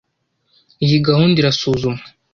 Iyi gahunda irasuzumwa.